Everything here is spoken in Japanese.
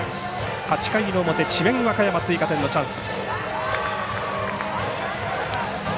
８回の表、智弁和歌山追加点のチャンス。